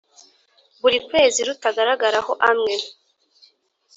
buri kwezi rutagaragaraho amwe